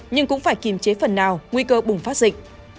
nhưng cũng phải kiềm chế phần nào nguy cơ bùng phát dịch